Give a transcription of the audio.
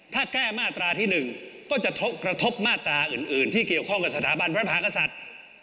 ถ้าแก้มาตราที่๑ก็จะกระทบมาตราอื่นที่เกี่ยวข้องกับสถาบันพระมหากษัตริย์